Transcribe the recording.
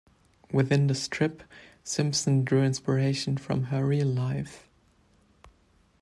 Within the strip, Simpson drew inspiration from her real life.